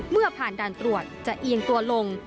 เมื่อผ่านด่านตรวจจะเอียงตัวลง